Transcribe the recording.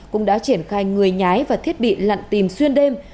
cũng đã triển khai người nhái và thiết bị lặn tìm xuyên đêm